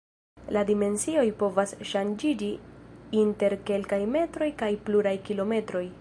La dimensioj povas ŝanĝiĝi inter kelkaj metroj kaj pluraj kilometroj.